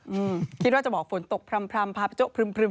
อืมคิดว่าจะบอกฝนตกพร่ำพาประจกพรึ่ม